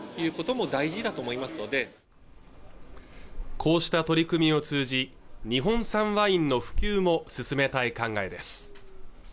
こうした取り組みを通じ日本産ワインの普及も進めたい考えです